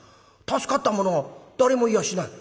助かった者は誰もいやしない。